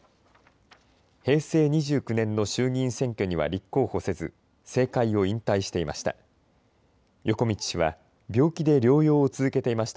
平成２９年の衆議院選挙には立候補せず政界を引退していました。